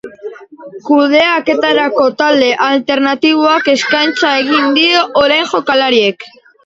Kudeaketarako talde alternatiboak eskaintza egin die orain jokalariek.